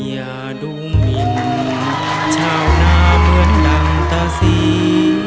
อย่าดูมินชาวหน้าเพื่อนดังตะซี